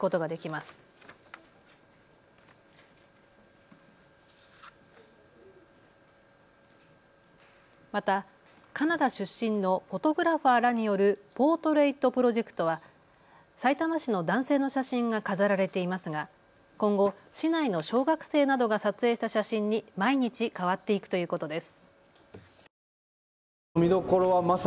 またカナダ出身のフォトグラファーらによるポートレイト・プロジェクトはさいたま市の男性の写真が飾られていますが今後、市内の小学生などが撮影した写真に毎日変わっていくということです。